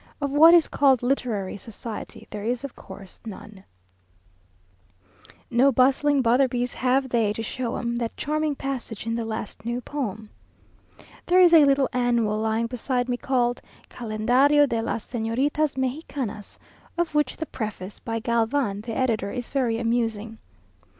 Of what is called literary society, there is of course none "No bustling Botherbys have they to show 'em That charming passage in the last new poem." There is a little annual lying beside me called "Calendario de las Señoritas Mejicanas," of which the preface, by Galvan, the editor, is very amusing.